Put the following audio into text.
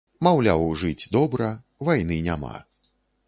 Маўляў, жыць добра, вайны няма.